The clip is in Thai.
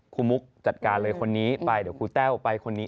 มุกจัดการเลยคนนี้ไปเดี๋ยวครูแต้วไปคนนี้